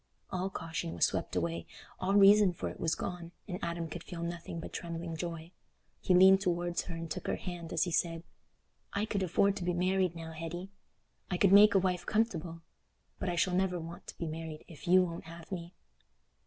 All caution was swept away—all reason for it was gone, and Adam could feel nothing but trembling joy. He leaned towards her and took her hand, as he said: "I could afford to be married now, Hetty—I could make a wife comfortable; but I shall never want to be married if you won't have me."